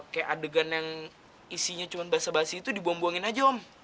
kayak adegan yang isinya cuma basa basi itu dibuang buangin aja om